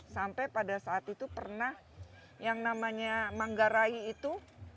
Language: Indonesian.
sampai pada saat itu pernah yang namanya manggarai itu